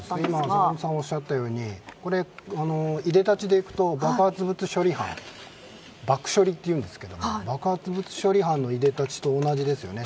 坂元さんがおっしゃったようにいでたちでいくと爆発物処理班爆処理というんですが爆発物処理班のいでたちと同じですよね。